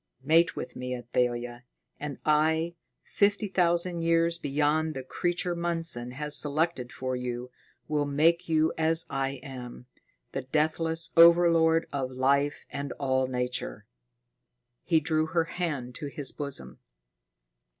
Mate with me, Athalia, and I, fifty thousand years beyond the creature Mundson has selected for you, will make you as I am, the deathless overlord of life and all nature." He drew her hand to his bosom.